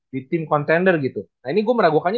di tim contender gitu nah ini gua meragukannya